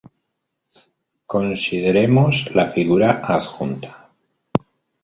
Consideremos la figura adjunta.